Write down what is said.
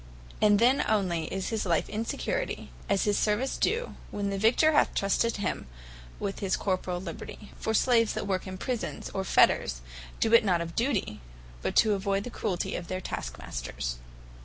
And then onely is his life in security, and his service due, when the Victor hath trusted him with his corporall liberty. For Slaves that work in Prisons, or Fetters, do it not of duty, but to avoyd the cruelty of their task masters.